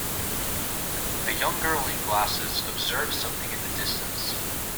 A young girl in glasses observes something in the distance.